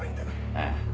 ああ。